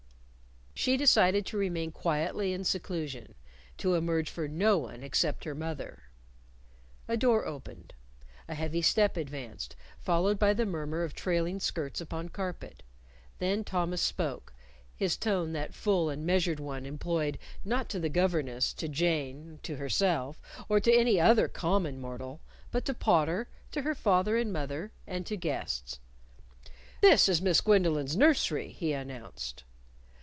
She decided to remain quietly in seclusion; to emerge for no one except her mother. A door opened. A heavy step advanced, followed by the murmur of trailing skirts upon carpet. Then Thomas spoke his tone that full and measured one employed, not to the governess, to Jane, to herself, or to any other common mortal, but to Potter, to her father and mother, and to guests. "This is Miss Gwendolyn's nursery," he announced.